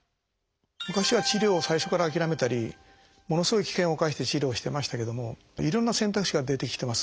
昔は治療を最初から諦めたりものすごい危険を冒して治療をしてましたけどもいろんな選択肢が出てきてます。